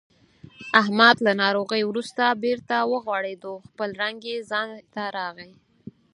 احمد له ناروغۍ ورسته بېرته و غوړېدو. خپل رنګ یې ځای ته راغی.